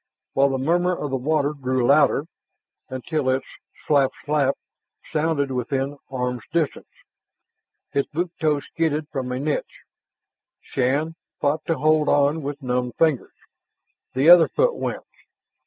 While the murmur of the water grew louder, until its slap slap sounded within arms' distance. His boot toe skidded from a niche. Shann fought to hold on with numbed fingers. The other foot went.